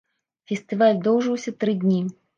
Фестываль доўжыўся тры дні.